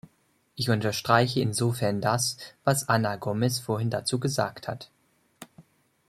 Ich unterstreiche insofern das, was Ana Gomes vorhin dazu gesagt hat.